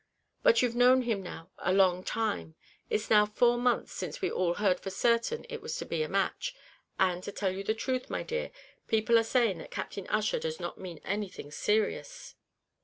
But you've known him now a long time; it's now four months since we all heard for certain it was to be a match; and, to tell you the truth, my dear, people are saying that Captain Ussher doesn't mean anything serious."